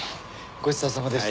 ごちそうさまでした。